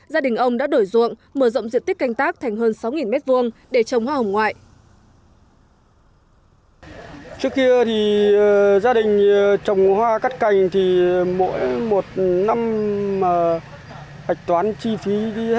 gia đình ông đã đổi ruộng mở rộng diện tích canh tác thành hơn sáu m hai để trồng hoa hồng ngoại